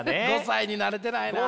５歳になれてないな。